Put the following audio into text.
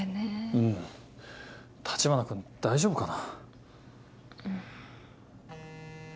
うん橘君大丈夫かな？